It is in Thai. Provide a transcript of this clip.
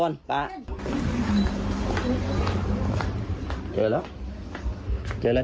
มนาทีไม่ได้